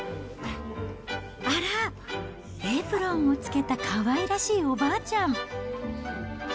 あらー、エプロンをつけた、かわいらしいおばあちゃん。